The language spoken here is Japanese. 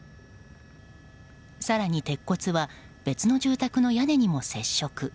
更に鉄骨は別の住宅の屋根にも接触。